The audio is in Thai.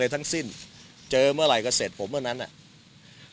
ทั้งสิ้นเจอเมื่อไหร่ก็เสร็จผมเมื่อนั้นน่ะ